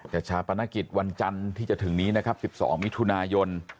ชาปนกิจวันจันทร์ที่จะถึงนี้นะครับ๑๒มิถุนายน